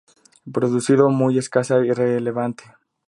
Producción muy escasa, irrelevante.